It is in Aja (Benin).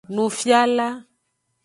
Nufiala.